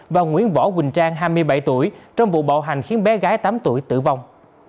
và nguyễn võ quỳnh trang hai mươi bảy tuổi trong vụ bạo hành khiến bé gái tám tuổi tử vong